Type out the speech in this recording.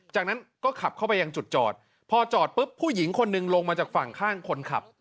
จากนั้นก็ขับเข้าไปยังจุดจอดพอจอดปุ๊บผู้หญิงคนหนึ่งลงมาจากฝั่งข้างคนขับ